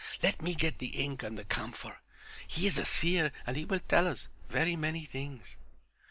Let me get the ink and the camphor. He is a seer and he will tell us very many things."